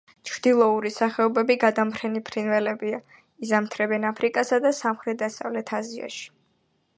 ჩრდილოური სახეობები გადამფრენი ფრინველებია, იზამთრებენ აფრიკასა და სამხრეთ-დასავლეთ აზიაში.